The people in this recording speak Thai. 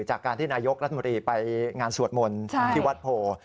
จากการที่นายกรัฐมนตรีไปงานสวดมนต์ที่วัดโพ